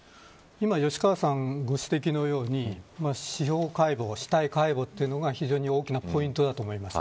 今、吉川さんご指摘のように司法解剖、死体解剖が非常に大きなポイントだと思います。